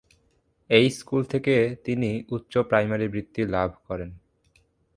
এই স্কুল থেকে তিনি উচ্চ প্রাইমারি বৃত্তি লাভ করেন।